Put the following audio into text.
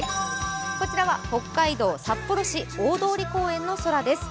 こちらは北海道札幌市大通公園のもようです。